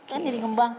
kan jadi ngembang